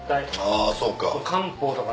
あぁそうか。